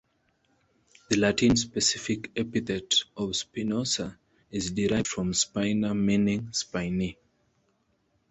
The Latin specific epithet of "spinosa" is derived from "spina" meaning spiny.